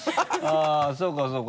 あぁそうかそうか。